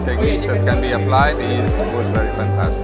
yang dapat diadakan adalah sangat luas